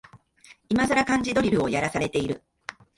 いまさら漢字ドリルをやらされてる